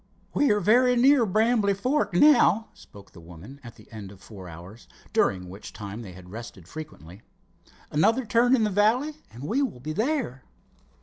"We are very near Brambly Fork now," spoke the woman at the end of four hours, during which time they had rested frequently. "Another turn in the valley and we will be there."